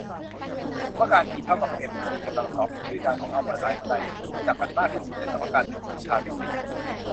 สมการอีเท่ากับเอ็มซีกำลังสองเป็นชื่อดังของอัลเบิร์ดไอน์สไตน์ที่ถูกรู้จักกันมากที่สุดสมการหนึ่งของวิชาฟิสิกส์